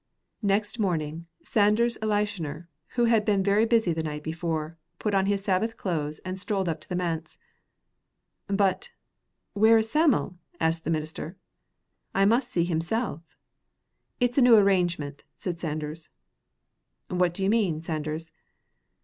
Next morning Sanders Elshioner, who had been very busy the night before, put on his Sabbath clothes and strolled up to the manse. "But but where is Sam'l?" asked the minister. "I must see himself." "It's a new arrangement," said Sanders. "What do you mean, Sanders?"